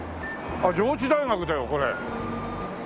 あっ上智大学だよこれ！